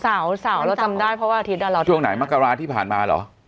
เสาร์เราทำได้เพราะว่าอาทิตย์ช่วงไหนมกราที่ผ่านมาเหรอ